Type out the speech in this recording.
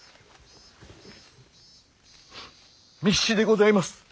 密旨でございます。